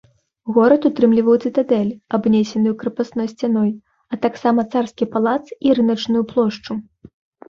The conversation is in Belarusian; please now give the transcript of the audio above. Горад утрымліваў цытадэль, абнесеную крапасной сцяной, а таксама царскі палац і рыначную плошчу.